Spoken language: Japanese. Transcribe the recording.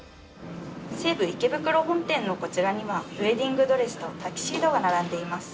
西武池袋本店のこちらには、ウエディングドレスとタキシードが並んでいます。